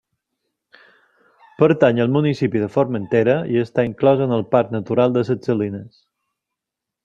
Pertany al municipi de Formentera i està inclosa en el Parc natural de ses Salines.